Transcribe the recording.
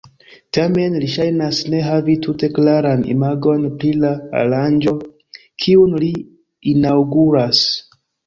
Tamen li ŝajnas ne havi tute klaran imagon pri la aranĝo kiun li inaŭguras.